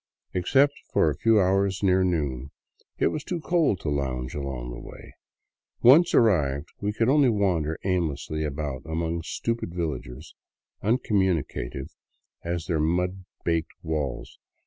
Except for a few hours near noon, it was too cold to lounge along the way; once arrived we could only wander aimlessly about among stupid villagers, uncommunicative as their baked mud walls.